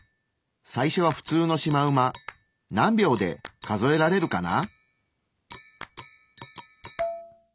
最初は普通のシマウマ何秒で数えられるかな？